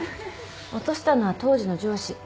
落としたのは当時の上司。